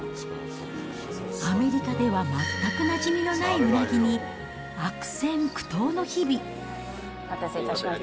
アメリカでは全くなじみのないうなぎに悪戦苦闘の日々。